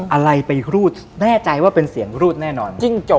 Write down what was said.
อะไรไปรูดไม่ได้เจ๋งแนะใจว่าเป็นเสียงรูดแน่นอน